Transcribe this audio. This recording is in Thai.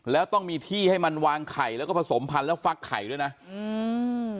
แล้วต้องมีที่ให้มันวางไข่แล้วก็ผสมพันธุ์แล้วฟักไข่ด้วยนะอืม